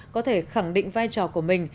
có thể khẳng định vai trò của mình